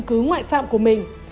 tạo chứng cứ ngoại phạm của mình